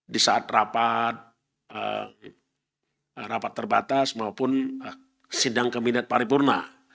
di saat rapat terbatas maupun sindang keminat paripurna